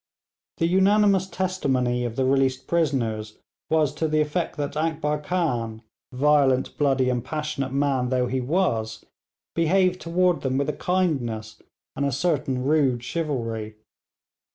The unanimous testimony of the released prisoners was to the effect that Akbar Khan, violent, bloody, and passionate man though he was, behaved toward them with kindness and a certain rude chivalry.